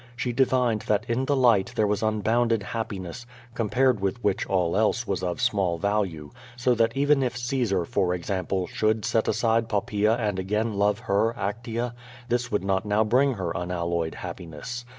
She divined that in the light there was unbounded happiness, compared with which all else was of small value, so that even if Caesar, for example, should set aside Poppaea and again love hex, Actea, this would not now bring her unalloyed happiness.